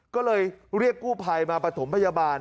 ก็เลยเรียกกู้ภัยมาประถมพยาบาล